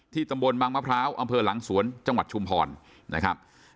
ตำบลบางมะพร้าวอำเภอหลังสวนจังหวัดชุมพรนะครับ